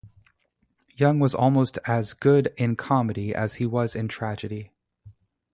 Young was almost as good in comedy as he was in tragedy.